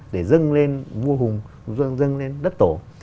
để dâng lên vua hùng dâng lên đất tổ